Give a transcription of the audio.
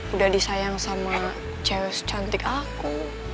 udah disayang sama chaos cantik aku